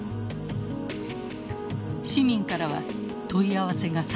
市民からは問い合わせが殺到。